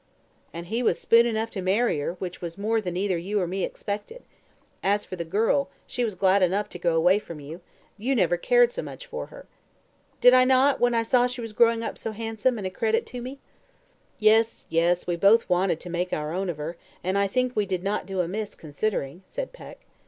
"And he was spoon enough to marry her, which was more than either you or me expected. As for the girl, she was glad enough to go away from you; you never cared so much for her." "Did I not, when I saw she was growing up so handsome and a credit to me?" "Yes, yes; we both wanted to make our own of her, and I think we did not do amiss, considering," said Peck.